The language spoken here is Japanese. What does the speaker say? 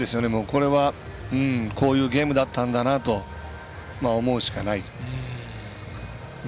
これは、こういうゲームだったんだなと思うしかない。